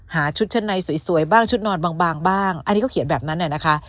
หาชุดชนัยสวยสวยบ้างชุดนอนบางบางบ้างอันนี้เขาเขียนแบบนั้นแหละนะคะ